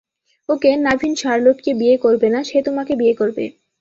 ওকে, নাভিন শার্লোটকে বিয়ে করবে না, সে তোমাকে বিয়ে করবে!